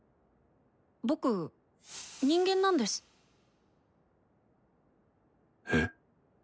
僕人間なんです。え？